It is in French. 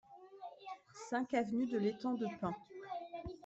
cinq avenue de l'Étang de Pin